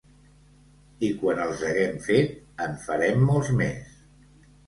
I quan els haguem fet, en farem molts més.